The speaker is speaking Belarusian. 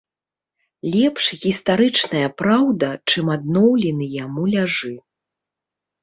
Лепш гістарычная праўда, чым адноўленыя муляжы.